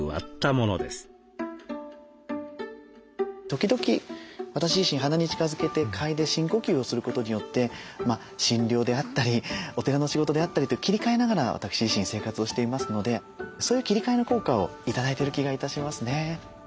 時々私自身鼻に近づけて嗅いで深呼吸をすることによって診療であったりお寺の仕事であったりと切り替えながら私自身生活をしていますのでそういう切り替えの効果を頂いてる気が致しますね。